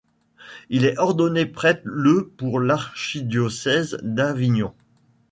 Il est ordonné prêtre le pour l'archidiocèse d'Avignon.